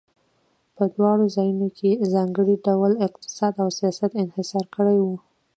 په دواړو ځایونو کې ځانګړو ډلو اقتصاد او سیاست انحصار کړی و.